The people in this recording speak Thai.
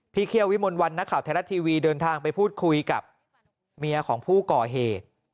เคี่ยววิมลวันนักข่าวไทยรัฐทีวีเดินทางไปพูดคุยกับเมียของผู้ก่อเหตุ